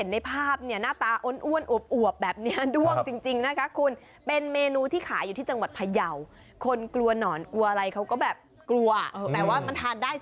ผมพาไปดูเมนูปิ่งย่างเก๋เด็ด